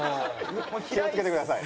気をつけてください。